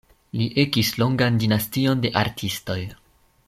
Li ekis longan dinastion de artistoj.